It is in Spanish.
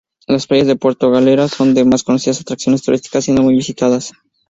Las playas de Puerto Galera son las más conocidas atracciones turísticas, siendo muy visitadas.